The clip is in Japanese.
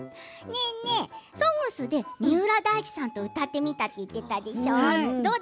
ねえねえ、「ＳＯＮＧＳ」で三浦大知さんと歌ってみたって言ってたでしょう。